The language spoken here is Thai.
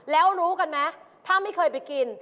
แล้วรู้กันไหมถ้าไม่เคยไปกิน